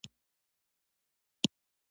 حرص د انسانانو زړونه ډک کړي دي.